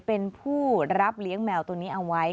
เป็นผู้รับเลี้ยงแมวตัวนี้เอาไว้